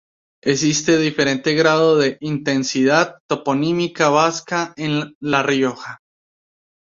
Existe diferente grado de intensidad toponímica vasca en La Rioja.